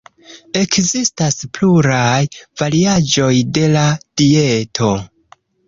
Ekzistas pluraj variaĵoj de la dieto.